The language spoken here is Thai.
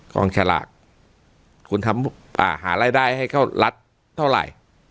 กองฉลากคุณทำอ่าหารายได้ให้เขาลัดเท่าไหร่